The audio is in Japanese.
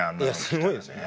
すごいですよ。